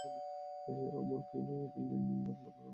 অমলকে এই মায়াবিনীর মতলব কেমন করিয়া বুঝাইবে।